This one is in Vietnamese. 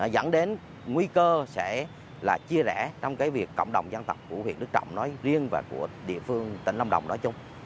dẫn đến nguy cơ sẽ là chia rẽ trong cái việc cộng đồng dân tộc của huyện đức trọng nói riêng và của địa phương tỉnh lâm đồng nói chung